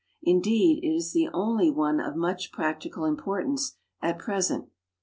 Indeed, it is the only one of mudi practical imjiortance at present.